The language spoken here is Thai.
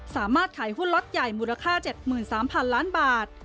สามารถขายหุ้นล็อตใหญ่มูลค่า๗๓๐๐๐ล้านบาท